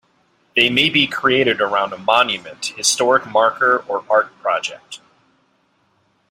They may be created around a monument, historic marker or art project.